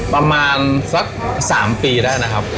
ประมาณสัก๓ปีได้นะครับ